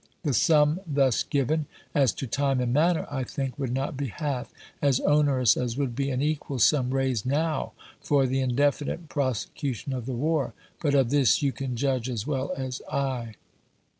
The sum thus given, as to time and manner, I think, would not be half as onerous as would be an equal sum raised noiv for the in definite prosecution of the war ; but of this you can judge as well as I.